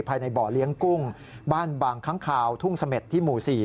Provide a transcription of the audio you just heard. ภายในบ่อเลี้ยงกุ้งบ้านบางค้างคาวทุ่งเสม็ดที่หมู่๔